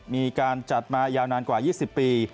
มีการจัดมายาวนานกว่า๒๐ปี